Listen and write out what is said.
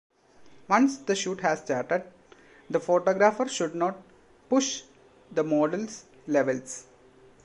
Once the shoot has started, the photographer should not "push" the model's levels.